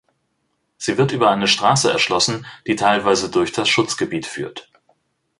Sie wird über eine Straße erschlossen, die teilweise durch das Schutzgebiet führt.